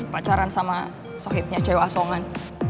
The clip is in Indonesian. pacaran sama sohitnya cewek asoan